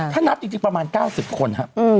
ถ้านับจริงประมาณ๙๐คนครับ